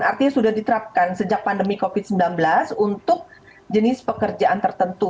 artinya sudah diterapkan sejak pandemi covid sembilan belas untuk jenis pekerjaan tertentu